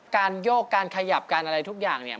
โยกการขยับการอะไรทุกอย่างเนี่ย